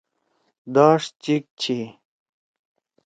داݜ چِک چھی۔